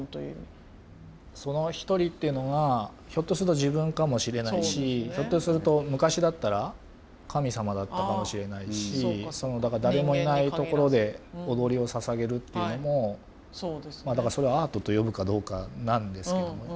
その１人っていうのはひょっとすると自分かもしれないしひょっとすると昔だったら神様だったかもしれないしだから誰もいないところで踊りをささげるっていうのもだからそれをアートと呼ぶかどうかなんですけども。